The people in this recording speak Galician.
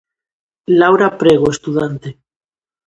Laura Prego, estudante.